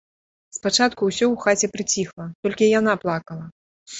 Спачатку ўсё ў хаце прыціхла, толькі яна плакала.